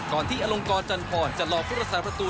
ก่อนที่อลงกรจันทร์พรจะหลอกฟุตรสาประตู